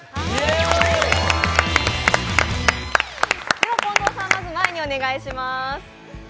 では、近藤さん、まず前にお願いします。